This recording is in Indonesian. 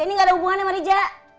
ini gak ada hubungan sama riza